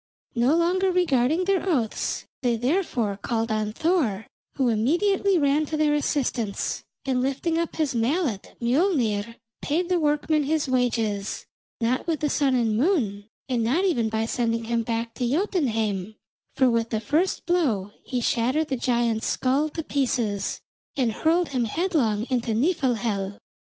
No longer regarding their oaths, they, therefore, called on Thor, who immediately ran to their assistance, and lifting up his mallet Mjolnir paid the workman his wages, not with the sun and moon, and not even by sending him back to Jotunheim, for with the first blow he shattered the giant's skull to pieces, and hurled him headlong into Nifelhel.